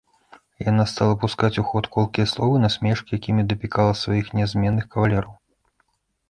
Яна стала пускаць у ход колкія словы, насмешкі, якімі дапікала сваіх нязменных кавалераў.